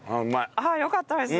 ああよかったです！